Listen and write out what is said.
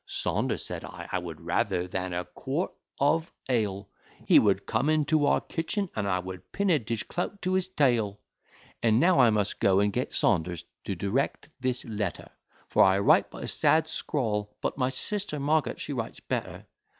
Saunders, said I, I would rather than a quart of ale He would come into our kitchen, and I would pin a dish clout to his tail. And now I must go, and get Saunders to direct this letter; For I write but a sad scrawl; but my sister Marget she writes better.